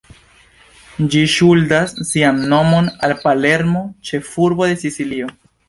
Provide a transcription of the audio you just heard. Ĝi ŝuldas sian nomon al Palermo, ĉefurbo de Sicilio.